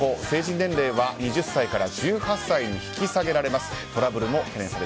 成人年齢は２０歳から１８歳に引き下げられます。